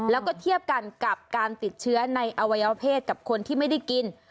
แล้วก็เทียบกันกับการติดเชื้อในอวัยวะเพศกับคนที่ไม่ได้กิน